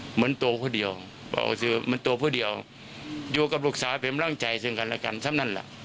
เหมือนตัวผู้เดียวอยู่กับลูกสาวเพิ่มร่างใจซึ่งกันแล้วกันซ้ำนั่นแหละ